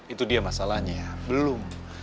itu dia masalahnya belum